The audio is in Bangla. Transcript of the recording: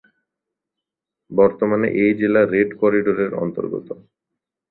বর্তমানে এই জেলা রেড করিডোরের অন্তর্গত।